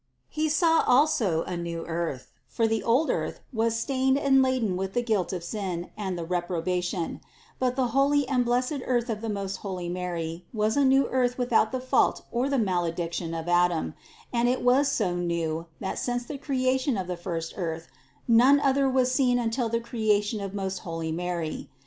247. He saw also a new earth; for the old earth was stained and laden with the guilt of sin and the reproba tion; but the holy and blessed earth of most holy Mary was a new earth without the fault or the malediction of Adam ; and it was so new, that since the creation of the first earth none other was seen until the creation of most holy Mary.